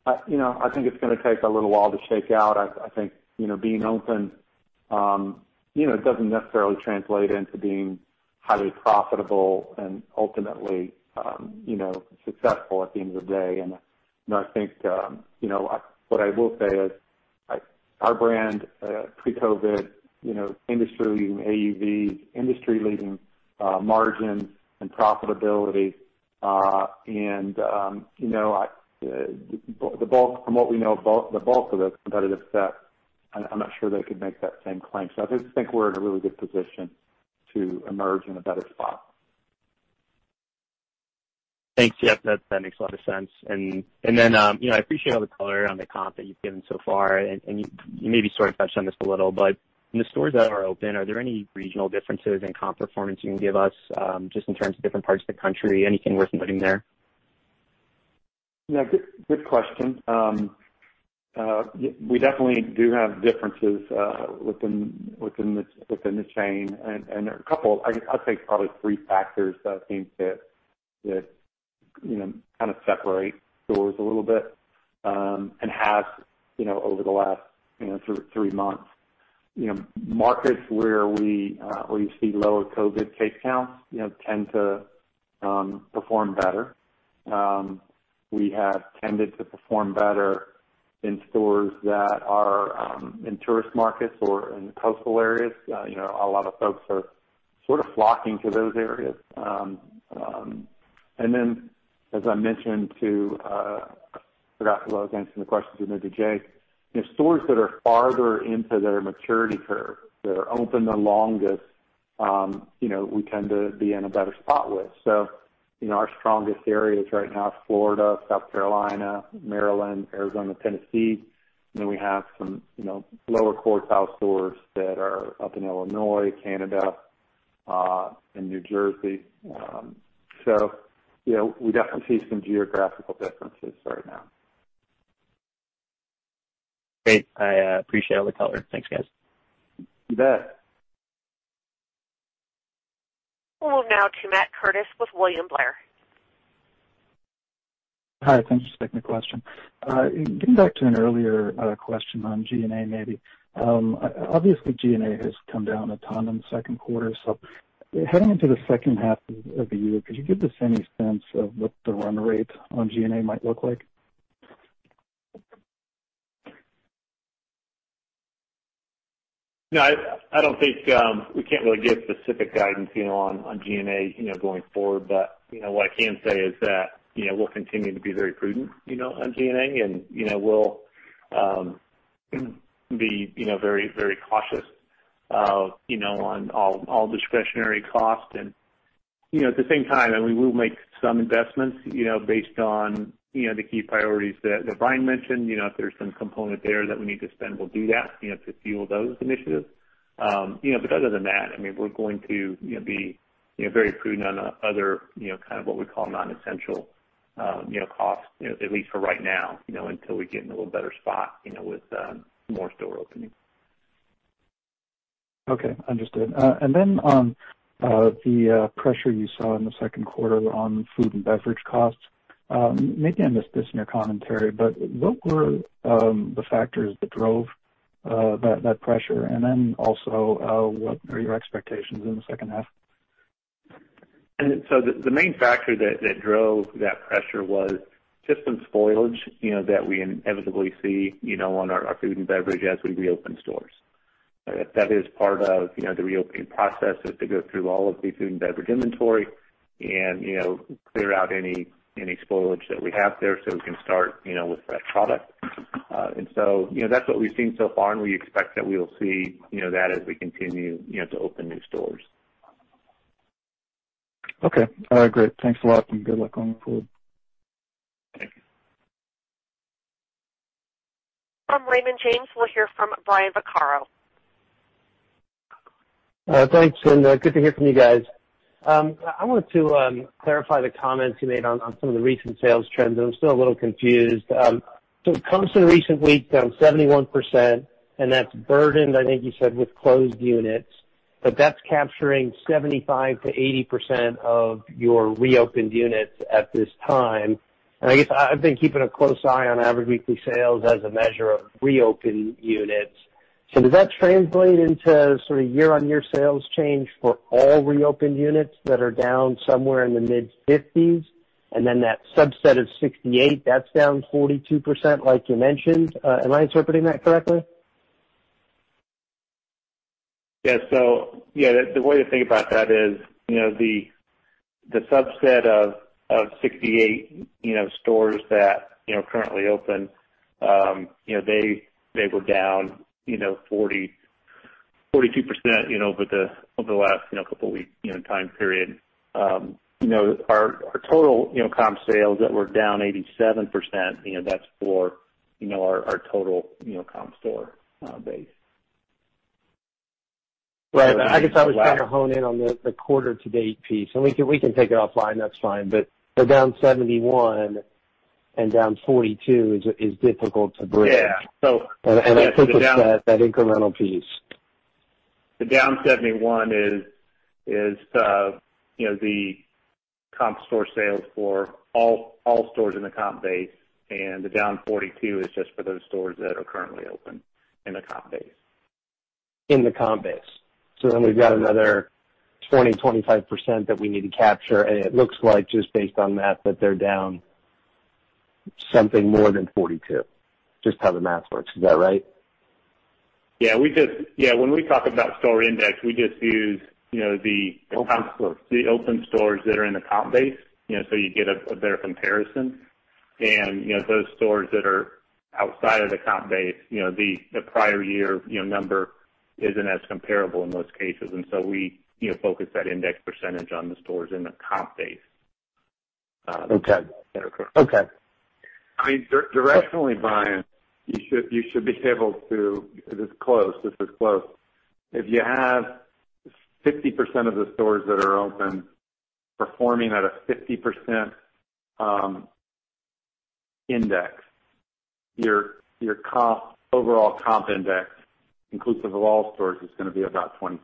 I think it's going to take a little while to shake out. I think being open doesn't necessarily translate into being highly profitable and ultimately successful at the end of the day. I think what I will say is our brand, pre-COVID, industry-leading AUVs, industry-leading margins and profitability. From what we know, the bulk of the competitive set, I'm not sure they could make that same claim. I just think we're in a really good position to emerge in a better spot. Thanks. Yep, that makes a lot of sense. I appreciate all the color on the comp that you've given so far. You maybe sort of touched on this a little, but in the stores that are open, are there any regional differences in comp performance you can give us, just in terms of different parts of the country? Anything worth noting there? Yeah. Good question. We definitely do have differences within the chain, and there are a couple, I'll say probably three factors that I think that kind of separate stores a little bit, and have over the last three months. Markets where you see lower COVID case counts tend to perform better. We have tended to perform better in stores that are in tourist markets or in coastal areas. A lot of folks are sort of flocking to those areas. As I mentioned too, forgot who I was answering the question to, maybe Jake. Stores that are farther into their maturity curve, that are open the longest, we tend to be in a better spot with. Our strongest areas right now is Florida, South Carolina, Maryland, Arizona, Tennessee. We have some lower quartile stores that are up in Illinois, Canada, and New Jersey. We definitely see some geographical differences right now. Great. I appreciate all the color. Thanks, guys. You bet. We'll move now to Matt Curtis with William Blair. Hi, thanks for taking the question. Getting back to an earlier question on G&A, maybe. Obviously, G&A has come down a ton in the second quarter. Heading into the second half of the year, could you give us any sense of what the run rate on G&A might look like? No, I don't think. We can't really give specific guidance on G&A going forward. What I can say is that, we'll continue to be very prudent on G&A, and we'll be very cautious on all discretionary costs. At the same time, we will make some investments based on the key priorities that Brian mentioned. If there's some component there that we need to spend, we'll do that to fuel those initiatives. Other than that, we're going to be very prudent on other, kind of what we call non-essential costs at least for right now, until we get in a little better spot with more store openings. Okay. Understood. On the pressure you saw in the second quarter on food and beverage costs, maybe I missed this in your commentary, but what were the factors that drove that pressure? Also, what are your expectations in the second half? The main factor that drove that pressure was just some spoilage that we inevitably see on our food and beverage as we reopen stores. That is part of the reopening process, is to go through all of the food and beverage inventory and clear out any spoilage that we have there so we can start with fresh product. That's what we've seen so far, and we expect that we will see that as we continue to open new stores. Okay. All right, great. Thanks a lot, and good luck going forward. Thank you. From Raymond James, we'll hear from Brian Vaccaro. Thanks, and good to hear from you guys. I wanted to clarify the comments you made on some of the recent sales trends. I'm still a little confused. Comp sales recently down 71% and that's burdened, I think you said, with closed units. That's capturing 75%-80% of your reopened units at this time. I guess I've been keeping a close eye on average weekly sales as a measure of reopened units. Does that translate into sort of year-over-year sales change for all reopened units that are down somewhere in the mid-50s and then that subset of 68, that's down 42%, like you mentioned? Am I interpreting that correctly? Yeah. The way to think about that is the subset of 68 stores that are currently open, they were down 42% over the last couple of weeks time period. Our total comp sales that were down 87%, that's for our total comp store base. Right. I guess I was trying to hone in on the quarter to date piece, and we can take it offline, that's fine. They're down 71 and down 42 is difficult to bridge. Yeah. I think it's that incremental piece. The down 71 is the comp store sales for all stores in the comp base, and the down 42 is just for those stores that are currently open in the comp base. In the comp base. We've got another 20%-25% that we need to capture, and it looks like just based on that they're down something more than 42. Just how the math works. Is that right? Yeah. When we talk about store index, we just. Open stores. The open stores that are in the comp base, you get a better comparison. Those stores that are outside of the comp base, the prior year number isn't as comparable in most cases. We focus that index percentage on the stores in the comp base. Okay. That are current. Okay. Directionally, Brian, This is close. If you have 50% of the stores that are open performing at a 50% index, your overall comp index inclusive of all stores is going to be about 25%,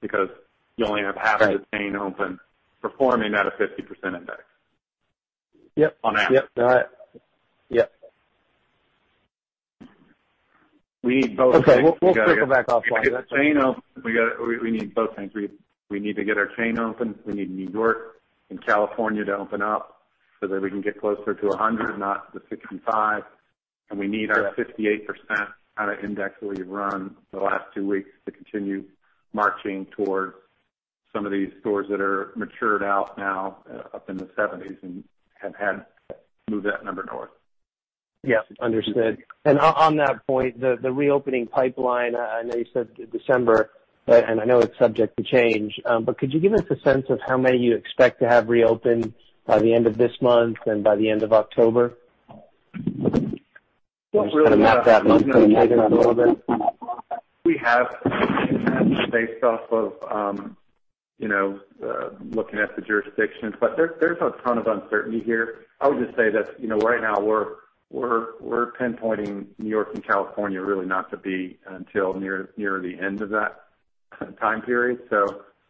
because you only have half of the chain open performing at a 50% index. Yep. On average. Got it. Yep. We need both things. Okay. We'll circle back offline. That's fine. We need both things. We need to get our chain open. We need New York and California to open up so that we can get closer to 100, not the 65. We need our 58% kind of index we've run the last two weeks to continue marching towards some of these stores that are matured out now up in the seventies and have had to move that number north. Yes, understood. On that point, the reopening pipeline, I know you said December, and I know it's subject to change, but could you give us a sense of how many you expect to have reopened by the end of this month and by the end of October? Not really. Just sort of map that out for me. We have based off of looking at the jurisdictions. There's a ton of uncertainty here. I would just say that right now we're pinpointing New York and California really not to be until near the end of that time period.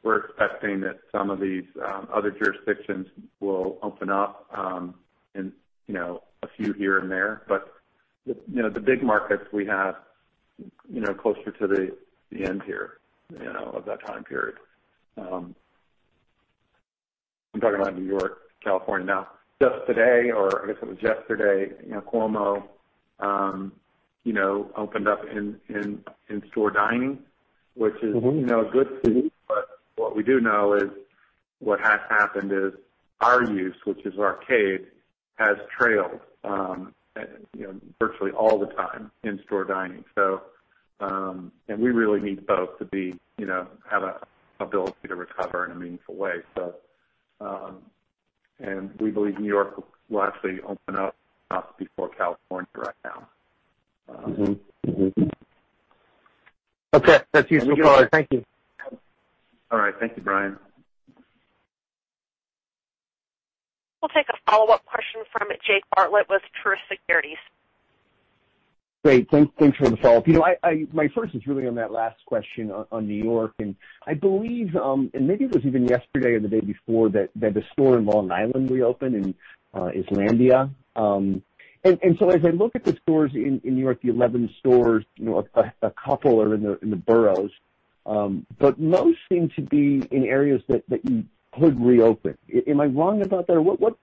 We're expecting that some of these other jurisdictions will open up and a few here and there. The big markets we have closer to the end here of that time period. I'm talking about New York, California now. Just today, or I guess it was yesterday, Cuomo opened up in-store dining, which is good. What we do know is what has happened is our use, which is arcade, has trailed virtually all the time in-store dining. We really need both to have an ability to recover in a meaningful way. We believe New York will actually open up before California right now. Okay. That's useful. *inaudible* Thank you. All right. Thank you, Brian. We'll take a follow-up question from Jake Bartlett with Truist Securities. Great. Thanks for the follow-up. My first is really on that last question on New York, and I believe, and maybe it was even yesterday or the day before that the store in Long Island reopened in Islandia. As I look at the stores in New York, the 11 stores, a couple are in the boroughs, but most seem to be in areas that you could reopen. Am I wrong about that?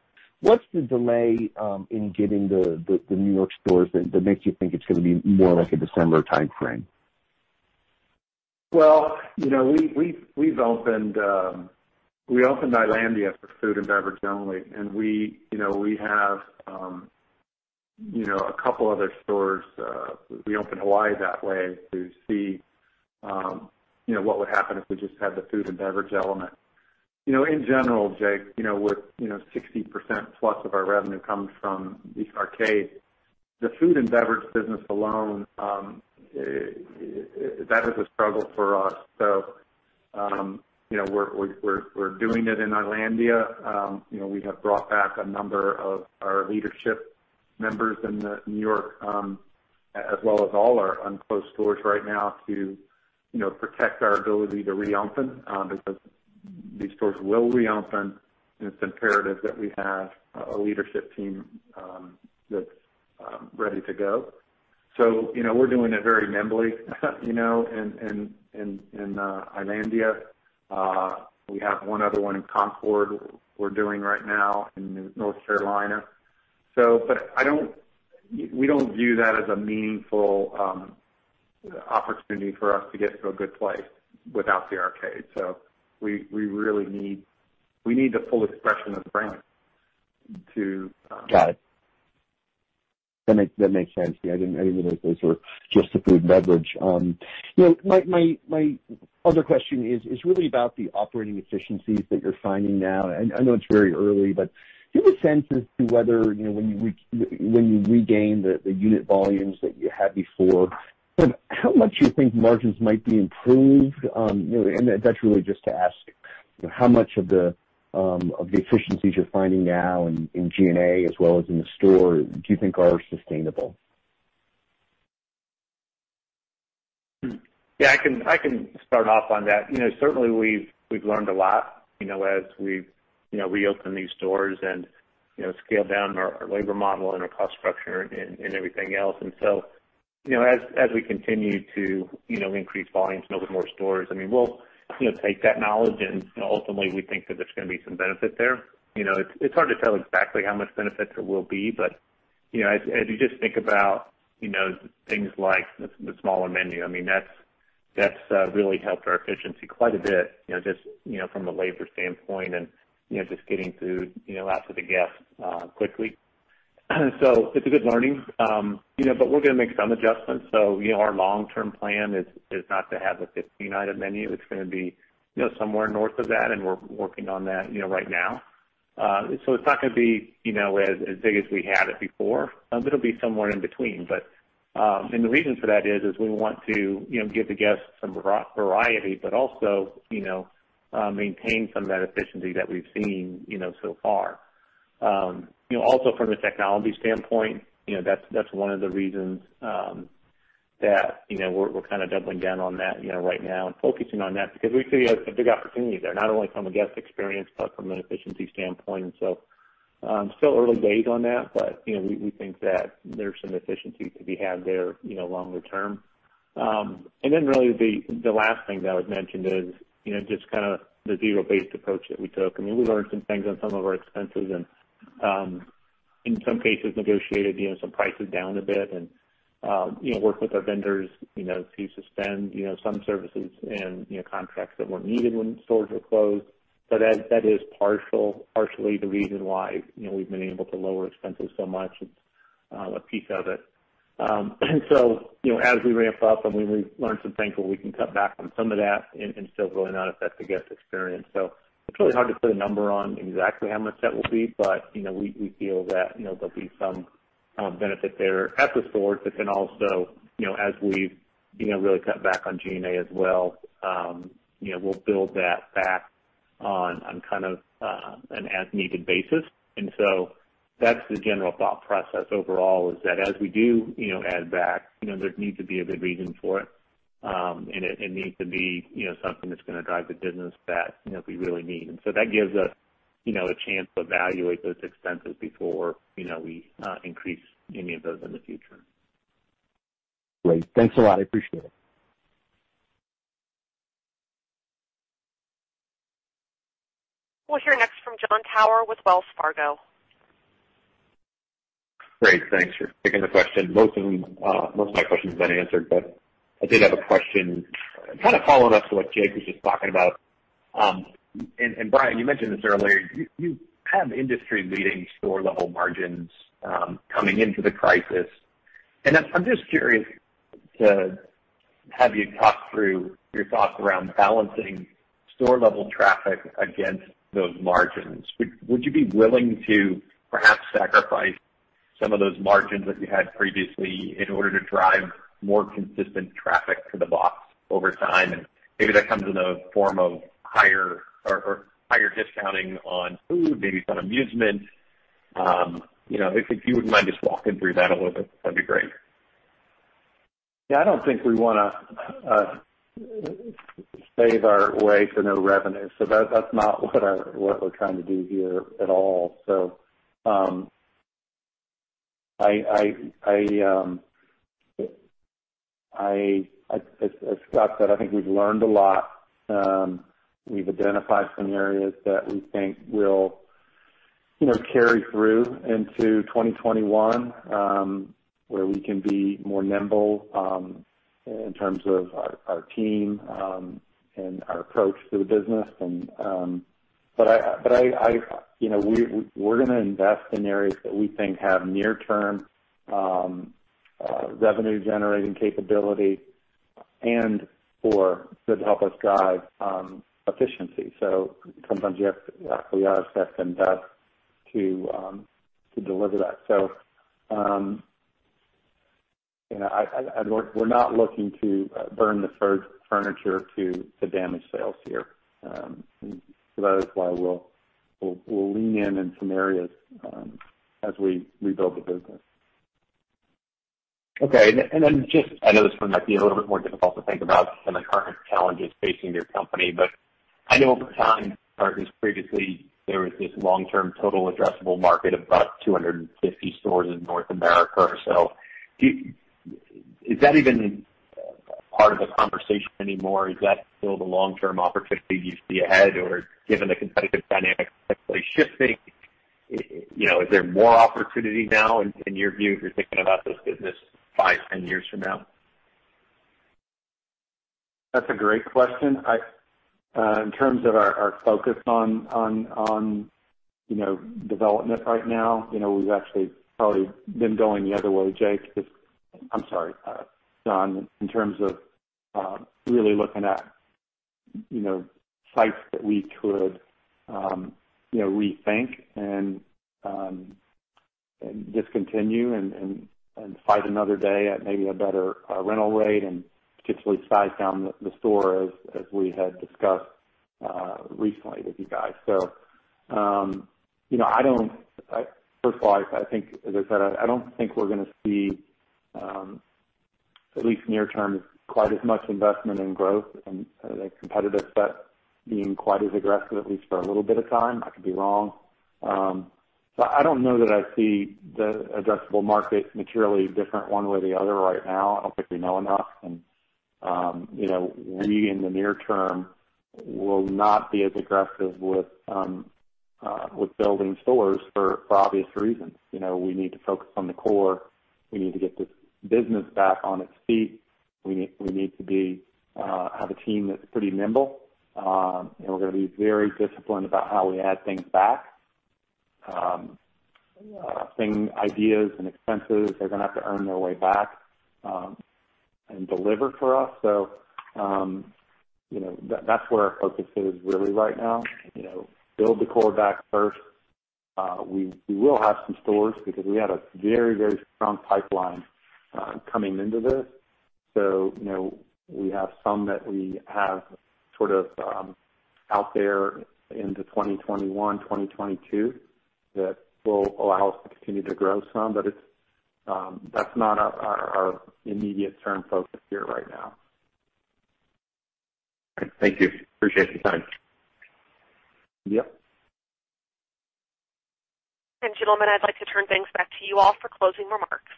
What's the delay in getting the New York stores that makes you think it's going to be more like a December timeframe? We opened Islandia for food and beverage only, and we have a couple other stores. We opened Hawaii that way to see what would happen if we just had the food and beverage element. In general, Jake, with 60%+ of our revenue comes from the arcade. The food and beverage business alone, that is a struggle for us. We're doing it in Islandia. We have brought back a number of our leadership members in New York, as well as all our unclosed stores right now to protect our ability to reopen, because these stores will reopen, and it's imperative that we have a leadership team that's ready to go. We're doing it very nimbly in Islandia. We have one other one in Concord we're doing right now in North Carolina. We don't view that as a meaningful opportunity for us to get to a good place without the arcade. We need the full expression of the brand to- Got it. That makes sense. Yeah, I didn't realize those were just the food and beverage. My other question is really about the operating efficiencies that you're finding now. I know it's very early, but give a sense as to whether, when you regain the unit volumes that you had before, how much you think margins might be improved. That's really just to ask how much of the efficiencies you're finding now in G&A as well as in the store do you think are sustainable? I can start off on that. Certainly, we've learned a lot as we've reopened these stores and scaled down our labor model and our cost structure and everything else. As we continue to increase volumes and open more stores, we'll take that knowledge, and ultimately, we think that there's going to be some benefit there. It's hard to tell exactly how much benefit there will be, as you just think about things like the smaller menu, that's really helped our efficiency quite a bit, just from a labor standpoint and just getting food out to the guest quickly. It's a good learning. We're going to make some adjustments. Our long-term plan is not to have a 15-item menu. It's going to be somewhere north of that, and we're working on that right now. It's not going to be as big as we had it before. It'll be somewhere in between. The reason for that is we want to give the guests some variety, but also maintain some of that efficiency that we've seen so far. From a technology standpoint, that's one of the reasons that we're kind of doubling down on that right now and focusing on that because we see a big opportunity there, not only from a guest experience, but from an efficiency standpoint. Still early days on that, but we think that there's some efficiency to be had there longer term. Really the last thing that I would mention is just kind of the zero-based approach that we took. We learned some things on some of our expenses and, in some cases, negotiated some prices down a bit and worked with our vendors to suspend some services and contracts that weren't needed when stores were closed. That is partially the reason why we've been able to lower expenses so much. It's a piece of it. As we ramp up and we learn some things where we can cut back on some of that and still going out affect the guest experience. It's really hard to put a number on exactly how much that will be, but we feel that there'll be some benefit there at the stores. Also as we've really cut back on G&A as well, we'll build that back on kind of an as-needed basis. That's the general thought process overall, is that as we do add back, there needs to be a good reason for it. It needs to be something that's going to drive the business that we really need. That gives us a chance to evaluate those expenses before we increase any of those in the future. Great. Thanks a lot. I appreciate it. We'll hear next from Jon Tower with Wells Fargo. Great. Thanks for taking the question. Most of my questions have been answered. I did have a question following up to what Jake was just talking about. Brian, you mentioned this earlier, you have industry-leading store-level margins coming into the crisis. I'm just curious to have you talk through your thoughts around balancing store-level traffic against those margins. Would you be willing to perhaps sacrifice some of those margins that you had previously in order to drive more consistent traffic to the box over time? Maybe that comes in the form of higher discounting on food, maybe some amusement. If you wouldn't mind just walking through that a little bit, that'd be great. Yeah. I don't think we want to save our way to no revenue. That's not what we're trying to do here at all. As Scott said, I think we've learned a lot. We've identified some areas that we think will carry through into 2021, where we can be more nimble in terms of our team and our approach to the business. We're going to invest in areas that we think have near-term revenue-generating capability and/or could help us drive efficiency. Sometimes we have to actually invest to deliver that. We're not looking to burn the furniture to damage sales here. That is why we'll lean in in some areas as we rebuild the business. Okay. Just, I know this one might be a little bit more difficult to think about given the current challenges facing your company, but I know over time, or at least previously, there was this long-term total addressable market of about 250 stores in North America. Is that even part of the conversation anymore? Is that still the long-term opportunity you see ahead? Given the competitive dynamic potentially shifting, is there more opportunity now, in your view, if you're thinking about this business five, 10 years from now? That's a great question. In terms of our focus on development right now, we've actually probably been going the other way, Jon, in terms of really looking at sites that we could rethink and discontinue and fight another day at maybe a better rental rate and potentially size down the store as we had discussed recently with you guys. First of all, as I said, I don't think we're going to see, at least near term, quite as much investment in growth and the competitive set being quite as aggressive, at least for a little bit of time. I could be wrong. I don't know that I see the addressable market materially different one way or the other right now. I don't think we know enough. We, in the near term, will not be as aggressive with building stores for obvious reasons. We need to focus on the core. We need to get this business back on its feet. We need to have a team that's pretty nimble. We're going to be very disciplined about how we add things back. Ideas and expenses are going to have to earn their way back and deliver for us. That's where our focus is really right now. Build the core back first. We will have some stores because we had a very strong pipeline coming into this. We have some that we have sort of out there into 2021, 2022, that will allow us to continue to grow some. That's not our immediate term focus here right now. Great. Thank you. Appreciate your time. Yep. Gentlemen, I'd like to turn things back to you all for closing remarks.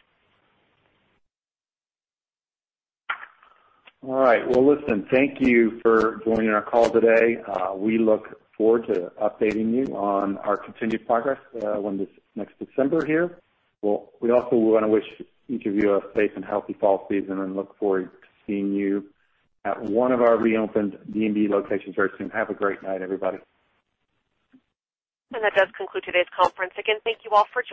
All right. Well, listen, thank you for joining our call today. We look forward to updating you on our continued progress when this next December here. We also want to wish each of you a safe and healthy fall season and look forward to seeing you at one of our reopened D&B locations very soon. Have a great night, everybody. That does conclude today's conference. Again, thank you all for joining.